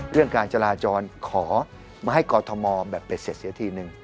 เรื่องการจราจรขอมาให้กอทมแบบเป็ดเสร็จเสียทีนึง